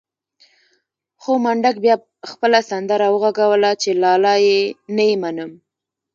خو منډک بيا خپله سندره وغږوله چې لالا نه يې منم.